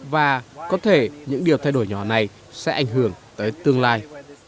và có thể những điều thay đổi nhỏ này sẽ ảnh hưởng tới tương lai